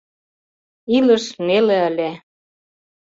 Илыш неле ыле.